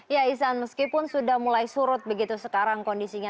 ya isan meskipun sudah mulai surut begitu sekarang kondisinya